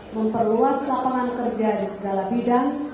memperluas lapangan kerja di segala bidang